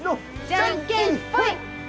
じゃんけんほい。